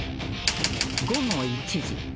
［午後１時］